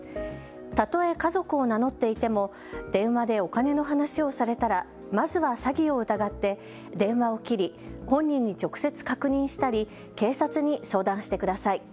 たとえ家族を名乗っていても電話でお金の話をされたらまずは詐欺を疑って電話を切り本人に直接確認したり警察に相談してください。